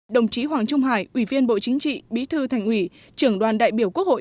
đồng chí hoàng trung hải ủy viên bộ chính trị bí thư thành ủy trưởng đoàn đại biểu quốc hội